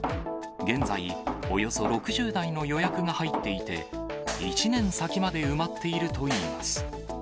現在、およそ６０台の予約が入っていて、１年先まで埋まっているといいます。